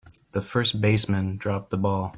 The first baseman dropped the ball.